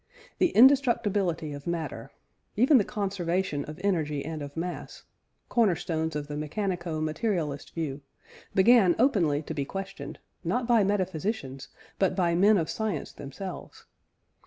The indestructibility of matter, even the conservation of energy and of mass (corner stones of the mechanico materialist view) began openly to be questioned, not by metaphysicians, but by men of science themselves.